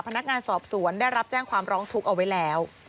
พนักงานสอบสวนได้รับแจ้งความร้องทุกข์เอาไว้แล้ว